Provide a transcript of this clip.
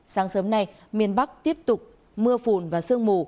sáng sớm nay miền bắc tiếp tục mưa phùn và sương mù